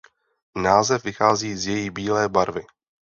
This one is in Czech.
Název vychází z její bílé barvy.